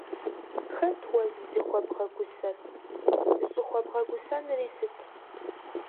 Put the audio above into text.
Хэт уэ зызыхуэбгъэгусэр? ЗыщӀыхуэбгъэгусэнури сыт?